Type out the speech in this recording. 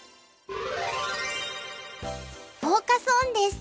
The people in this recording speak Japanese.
フォーカス・オンです。